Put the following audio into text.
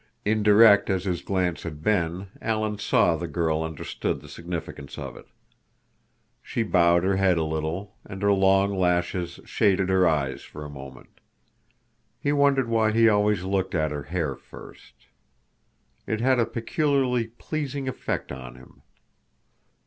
Indirect as his glance had been, Alan saw the girl understood the significance of it. She bowed her head a little, and her long lashes shaded her eyes for a moment. He wondered why he always looked at her hair first. It had a peculiarly pleasing effect on him.